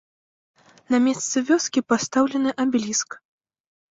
На месцы вёскі пастаўлены абеліск.